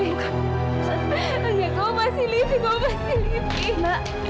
iya kan kamu livia kan